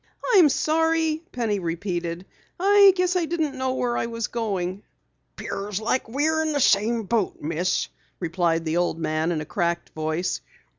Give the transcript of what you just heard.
"I'm sorry," Penny repeated. "I guess I didn't know where I was going." "'Pears like we is in the same boat, Miss," replied the old man in a cracked voice.